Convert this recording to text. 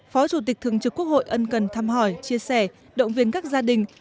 phó chủ tịch thường trực quốc hội ân cần thăm hỏi chia sẻ động viên các gia đình